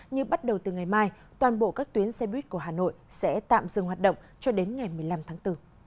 như bắt đầu từ ngày mai toàn bộ các tuyến xe buýt của hà nội sẽ tạm dừng hoạt động cho đến ngày một mươi năm tháng bốn